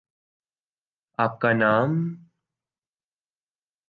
آپ کا نام؟